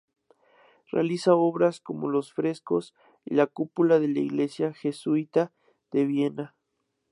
Realiza obras como los frescos y la cúpula de la iglesia jesuita de Viena.